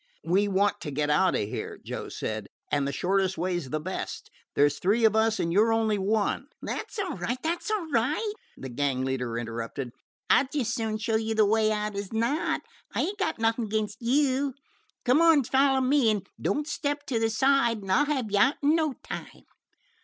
"We want to get out of here," Joe said, "and the shortest way 's the best. There 's three of us, and you 're only one " "That 's all right, that 's all right," the gang leader interrupted. "I 'd just as soon show you the way out as not. I ain't got nothin' 'gainst you. Come on an' follow me, an' don't step to the side, an' I 'll have you out in no time."